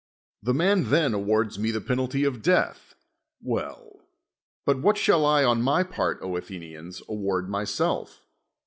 The man then awards me the penalty of death. "Well. But what shall I, on my part, Athe nians, award myself?